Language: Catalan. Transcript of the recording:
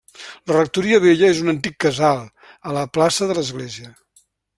La rectoria vella és un antic casal, a la plaça de l'Església.